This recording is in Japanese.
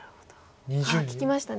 利きましたね。